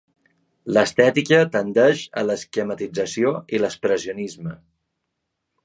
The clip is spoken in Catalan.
L'estètica tendeix a l'esquematització i l'expressionisme.